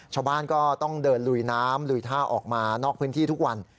ชาวบ้านก็ต้องเดินลุยน้ำลุยท่าออกมานอกพื้นที่ทุกวัน